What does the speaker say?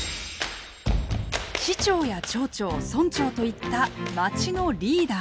市長や町長村長といったまちのリーダー！